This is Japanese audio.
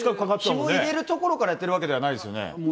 ひもを入れるところからやってるわけじゃないですよね？